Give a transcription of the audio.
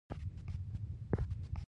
هغه ماشومان چې له قهر لرې وساتل شي.